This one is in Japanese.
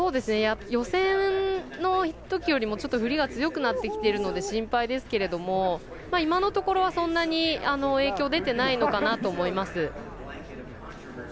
予選のときよりも降りが強くなってきているので心配ですけれども今のところは、そんなに影響出てないのかなと思います。